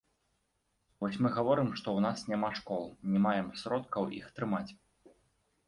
Вось мы гаворым, што ў нас няма школ, не маем сродкаў іх трымаць.